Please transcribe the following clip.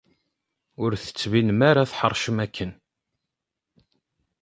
Ur d-tettbinem ara tḥeṛcem akken.